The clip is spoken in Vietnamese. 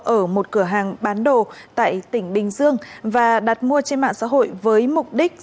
ở một cửa hàng bán đồ tại tỉnh bình dương và đặt mua trên mạng xã hội với mục đích